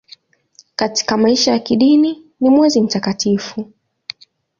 Katika maisha ya kidini ni mwezi mtakatifu.